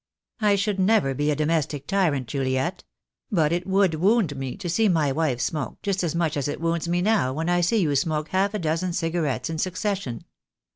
"I should never be a domestic tyrant, Juliet — but it would wound me to see my wife smoke, just as much as it wounds me now when I see you smoke half a dozen cigarettes in succession."